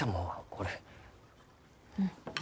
うん。